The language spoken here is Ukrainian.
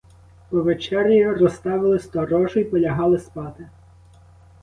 По вечері розставили сторожу й полягали спати.